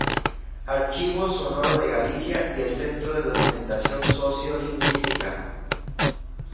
Archivo Sonoro de Galicia y el Centro de Documentación Sociolingüística.